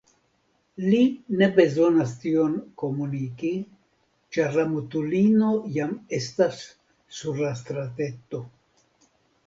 Li ne bezonas tion komuniki, ĉar la mutulino jam estas sur la strateto.